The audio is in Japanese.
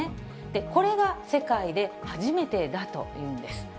これが世界で初めてだというんです。